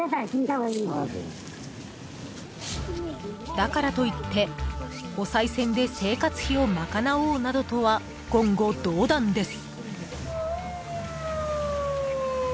［だからといっておさい銭で生活費を賄おうなどとは言語道断です］